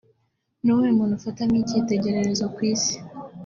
Ni uwuhe muntu ufata nk’icyitegererezo ku isi